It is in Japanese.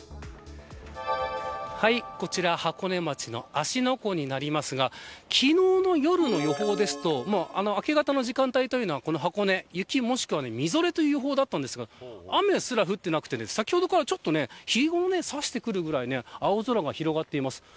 こちら箱根町の芦ノ湖になりますが昨日の夜の予報ですと明け方の時間帯は箱根は雪もしくはみぞれと予報でしたが雨すら降っておらず、先ほどから日も差してくるような青空も広がっています。